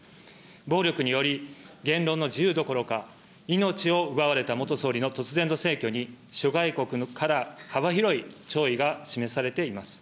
暴力により言論の自由どころか、命を奪われた元総理の突然の逝去に、諸外国から幅広い弔意が示されています。